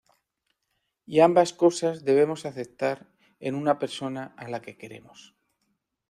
Y ambas cosas debemos aceptar en una persona a la que queremos.